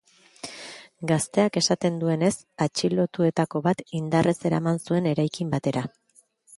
Gazteak esaten duenez, atxilotuetako bat indarrez eraman zuen eraikin batera.